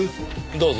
どうぞ。